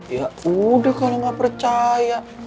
ya udah kalo gak percaya